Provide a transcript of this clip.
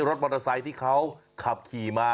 รถมอเตอร์ไซค์ที่เขาขับขี่มา